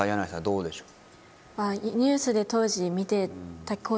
どうでしょう？